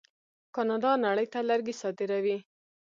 کاناډا نړۍ ته لرګي صادروي.